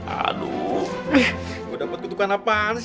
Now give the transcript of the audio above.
aduh gua dapet ketukan apaan sih